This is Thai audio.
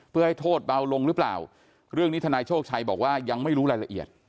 เพื่อให้โทษเบาลงหรือเปล่าเรื่องนี้ทนายโชคชัยบอกว่ายังไม่รู้รายละเอียด